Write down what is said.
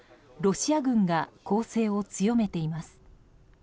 ロシア軍が攻勢を強めています。